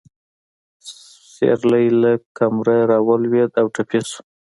سېرلی له کمره راولوېده او ټپي شو.